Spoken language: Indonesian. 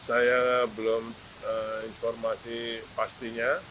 saya belum informasi pastinya